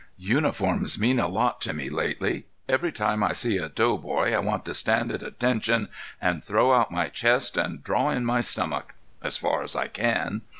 "Uniforms mean a lot to me lately. Every time I see a doughboy I want to stand at attention and throw out my chest and draw in my stomach—as far as I can.